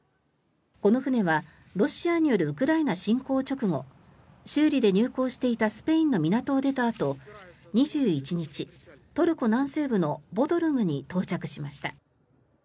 この船はロシアによるウクライナ侵攻直後修理で入港していたスペインの港を出たあと２１日、トルコ南西部のボドルムに到着しました。